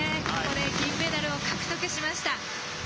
ここで銀メダルを獲得しました。